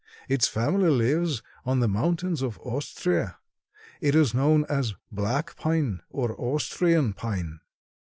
Its family lives on the mountains of Austria. It is known as black pine or Austrian pine.